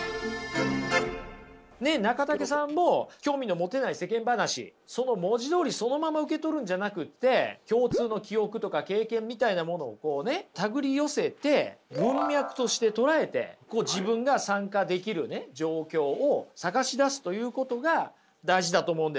中武さんも興味の持てない世間話文字どおりそのまま受けとるんじゃなくて共通の記憶とか経験みたいなものを手繰り寄せて文脈として捉えて自分が参加できる状況を探し出すということが大事だと思うんです。